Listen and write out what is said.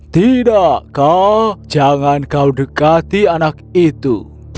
tidak kau jangan kau dekati anak itu